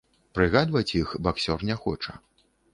Прыгадваць іх баксёр не хоча.